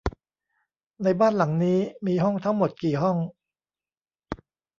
ในบ้านหลังนี้มีห้องทั้งหมดกี่ห้อง ?